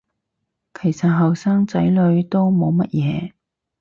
其實後生仔女都冇乜嘢